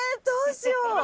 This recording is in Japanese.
どうしよう。